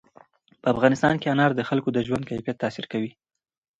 په افغانستان کې انار د خلکو د ژوند کیفیت تاثیر کوي.